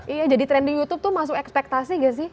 iya jadi trending youtube tuh masuk ekspektasi gak sih